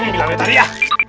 hmm bilangnya tadi ya